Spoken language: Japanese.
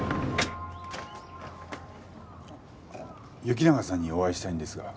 行永さんにお会いしたいんですが。